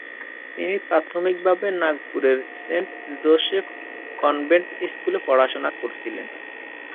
তিনি প্রাথমিকভাবে নাগপুরের সেন্ট জোসেফ কনভেন্ট স্কুলে পড়াশোনা করেছিলেন।